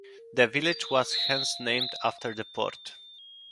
The village was hence renamed after the port.